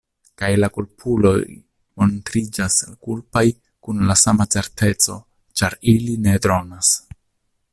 Kaj la kulpuloj montriĝas kulpaj kun la sama certeco ĉar ili ne dronas.